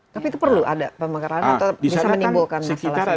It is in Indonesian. tapi itu perlu ada pemekaran atau bisa menimbulkan masalah serius